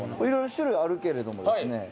いろいろ種類あるけれどもですね。